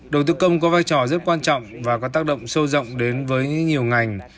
đầu tư công có vai trò rất quan trọng và có tác động sâu rộng đến với nhiều ngành